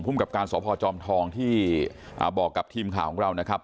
กับการสพจอมทองที่บอกกับทีมข่าวของเรานะครับ